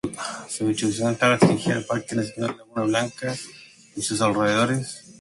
Su distribución está restringida al Parque Nacional Laguna Blanca y sus alrededores.